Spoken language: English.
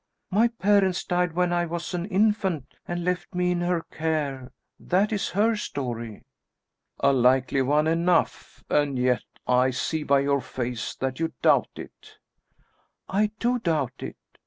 My parents died when I was an infant, and left me in her care that is her story." "A likely one enough, and yet I see by your face that you doubt it." "I do doubt it!